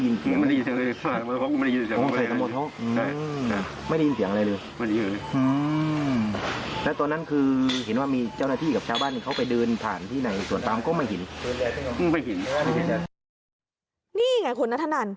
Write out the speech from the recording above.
นี่ไงคุณนัทธนัน